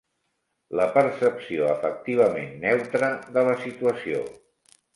La percepció afectivament neutra de la situació.